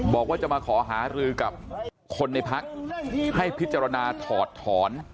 บอกว่าจะมาขอหารือกับคนในพักให้พิจารณาถอดถอน